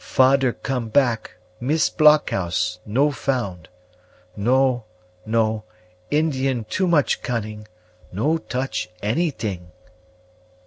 Fader come back, miss blockhouse, no found. No, no; Indian too much cunning; no touch anything."